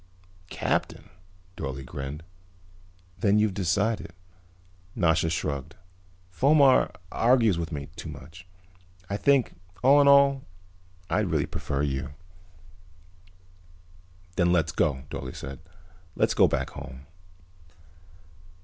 "Captain?" Dorle grinned. "Then you've decided." Nasha shrugged. "Fomar argues with me too much. I think, all in all, I really prefer you." "Then let's go," Dorle said. "Let's go back home."